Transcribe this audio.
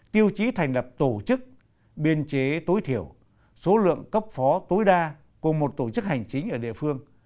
tiêu chí thành lập tổ chức biên chế tối thiểu số lượng cấp phó tối đa của một tổ chức hành chính ở địa phương